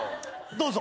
どうぞ。